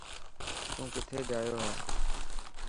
تون ڪٿي جايو هي.